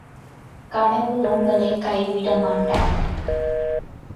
கடவுள் உங்களைக் கைவிடமாட்டார்!